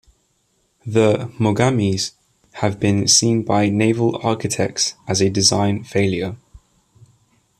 The "Mogami"s have been seen by naval architects as a design failure.